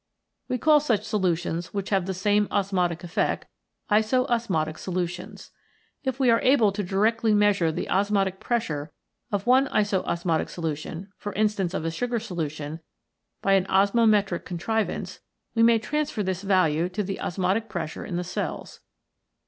We call such solutions which have the same osmotic effect Isosmotic Solutions. If we are able to directly measure the osmotic pressure of one isosmotic solution, for instance, of a sugar solution, by an osmometric contrivance, we may transfer this value to the osmotic pressure in the cells.